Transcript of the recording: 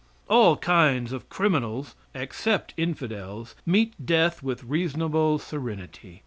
All kinds of criminals, except infidels, meet death with reasonable serenity.